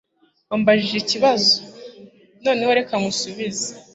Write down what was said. Wambajije ikibazo. Noneho, reka ngusubize.